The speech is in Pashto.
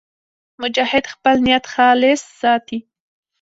مجاهد خپل نیت خالص ساتي.